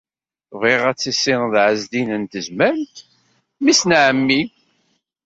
Bɣiɣ ad tissineḍ Ɛezdin n Tezmalt, mmi-s n ɛemmi.